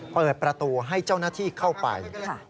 เปิดประตูให้เจ้าหน้าที่เข้าไป